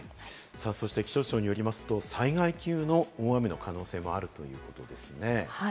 気象庁によりますと災害級の大雨の可能性もあるということですね。